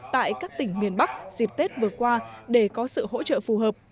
tại các tỉnh miền bắc dịp tết vừa qua để có sự hỗ trợ phù hợp